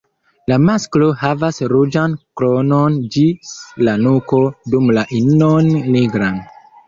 La masklo havas ruĝan kronon ĝis la nuko, dum la inon nigran.